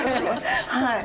はい。